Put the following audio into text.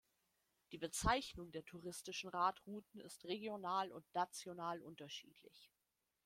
Die Bezeichnung der touristischen Radrouten ist regional und national unterschiedlich.